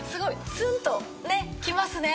ツンとねきますね。